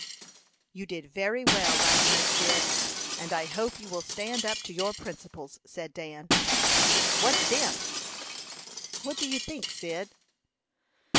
"You did very well last night, Cyd, and I hope you will stand up to your principles," said Dan. "What's dem?" "What do you think, Cyd?"